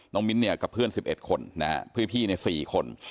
น้องมิ้นเนี่ยกับเพื่อนสิบเอ็ดคนนะฮะพื้นพี่ในสี่คน